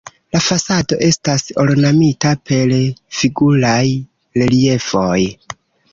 La fasado estas ornamita per figuraj reliefoj.